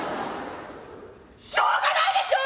しょうがないでしょ！